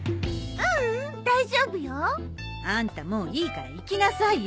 ううん大丈夫よ。あんたもういいから行きなさいよ。